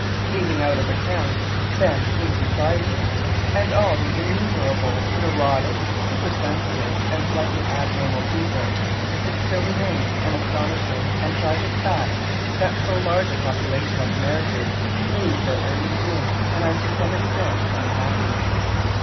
Leaving out of account " femmes incomprises" The Broken Joy 9 and all the innumerable neurotic, super sensitive, and slightly abnormal people, it still remains an astonish ing and tragic fact that so large a proportion of marriages lose their early bloom and are to some extent unhappy.